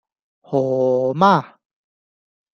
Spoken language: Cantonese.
何~~~媽